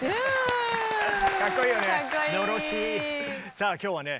さあ今日はね